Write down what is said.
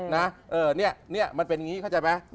นะเออเนี่ยนี่มันเป็นอย่างนี้เข้าใจไหม